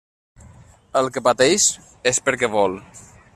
El que pateix, és perquè vol.